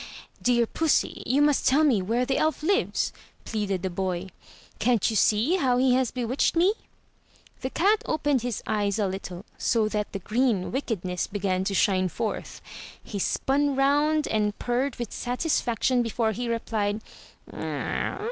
"Dear pussy, you must tell me where the elf lives!" pleaded the boy. "Can't you see how he has bewitched me?" The cat opened his eyes a little, so that the green wickedness began to shine forth. He spun round and purred with satis faction before he replied.